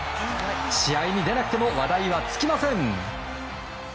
試合に出なくても話題は尽きません。